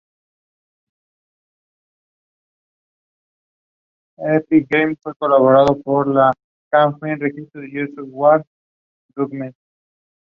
This location of Mylapore later came to be known as Santhome.